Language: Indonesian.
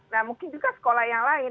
nah mungkin juga sekolah yang lain